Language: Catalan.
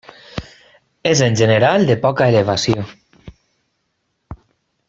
És en general de poca elevació.